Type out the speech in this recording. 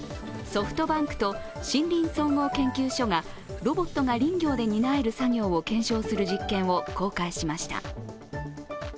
ソフトバンクと森林総合研究所がロボットが林業で担える作業を検証する実験を公開しました。